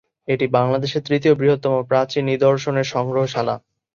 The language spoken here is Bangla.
এটি বাংলাদেশের তৃতীয় বৃহত্তম প্রাচীন নিদর্শনের সংগ্রহশালা।